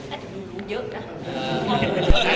อาจจะดูเยอะนะ